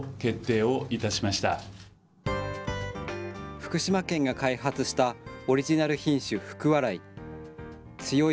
福島県が開発したオリジナル品種、福、笑い。